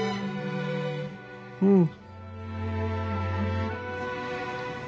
うん。